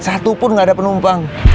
satupun gak ada penumpang